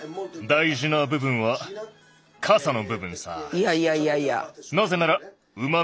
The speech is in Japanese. いやいやいやいや。